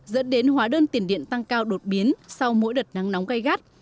dẫn đến hóa đơn tiền điện tăng cao đột biến sau mỗi đợt nắng nóng gây gắt